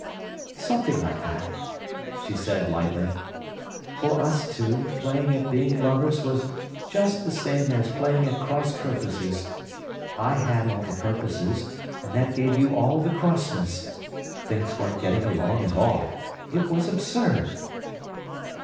"Something like that," she said lightly. "For us two, playing at being lovers was just the same as playing at cross purposes. I had all the purposes, and that gave you all the crossness: things weren't getting along at all. It was absurd!"